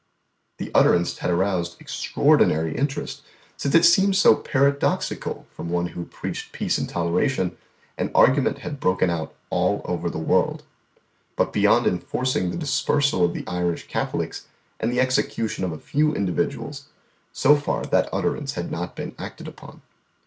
The utterance had aroused extraordinary interest, since it seemed so paradoxical from one who preached peace and toleration; and argument had broken out all over the world. But beyond enforcing the dispersal of the Irish Catholics, and the execution of a few individuals, so far that utterance had not been acted upon.